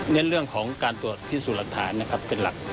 เนื่องของการตรวจพิษธุรรณฐานเป็นหลัก